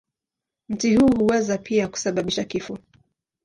Mti huu huweza pia kusababisha kifo.